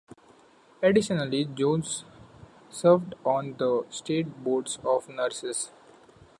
Additionally, Jones served on the state board of nurses.